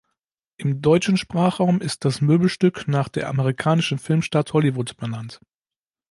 Im deutschen Sprachraum ist das Möbelstück nach der amerikanischen Filmstadt Hollywood benannt.